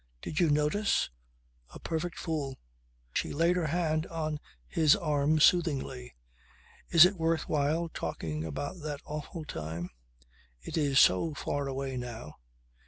"Did you notice? A perfect fool." She laid her hand on his arm soothingly. "Is it worth while talking about that awful time? It is so far away now."